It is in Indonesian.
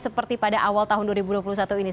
seperti pada awal tahun dua ribu dua puluh satu ini